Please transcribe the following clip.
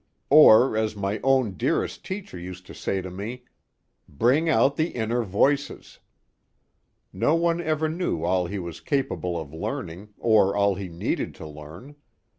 Or as my own dearest teacher used to say to me: "Bring out the inner voices." No one ever knew all he was capable of learning, or all he needed to learn.